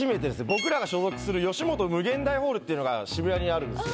僕らが所属するヨシモト∞ホールっていうのが渋谷にあるんですよ。